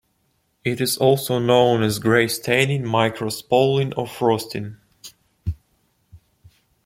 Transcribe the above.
It is also known as grey staining, micro spalling or frosting.